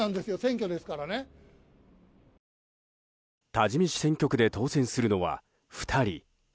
多治見市選挙区で当選するのは２人。